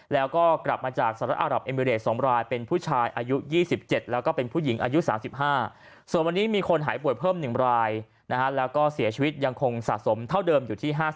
แล้วก็กลับมาจากสิงคโปร์๒รายเป็นผู้ชายไทย